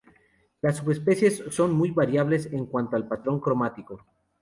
Las subespecies son muy variables en cuanto al patrón cromático.